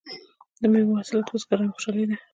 د میوو حاصلات د بزګرانو خوشحالي ده.